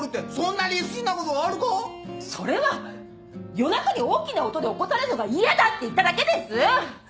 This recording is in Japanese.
夜中に大きな音で起こされるのが嫌だって言っただけです！